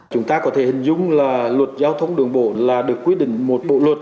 chúng ta có thể hình dung là luật giao thông đường bộ là được quy định một bộ luật